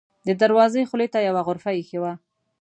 د دروازې خولې ته یوه غرفه اېښې وه.